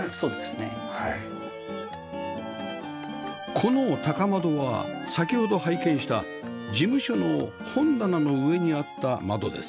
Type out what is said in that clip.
この高窓は先ほど拝見した事務所の本棚の上にあった窓です